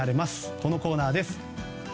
このコーナーです。